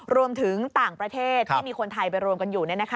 รวมถึงต่างประเทศที่มีคนไทยไปรวมกันอยู่